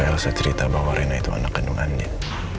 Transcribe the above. sejauh apa elsa cerita bahwa rina itu anak kandungannya